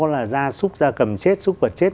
là ra xúc ra cầm chết xúc vật chết